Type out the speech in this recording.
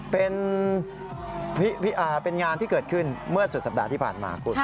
เป็นงานที่เกิดขึ้นเมื่อสุดสัปดาห์ที่ผ่านมาคุณ